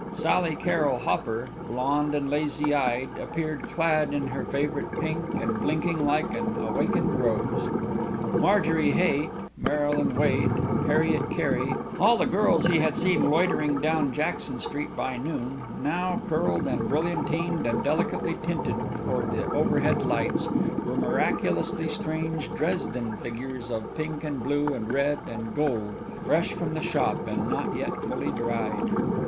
Sally Carrol Hopper, blonde and lazy eyed, appeared clad in her favorite pink and blinking like an awakened rose. Marjorie Haight, Marylyn Wade, Harriet Cary, all the girls he had seen loitering down Jackson Street by noon, now, curled and brilliantined and delicately tinted for the overhead lights, were miraculously strange Dresden figures of pink and blue and red and gold, fresh from the shop and not yet fully dried.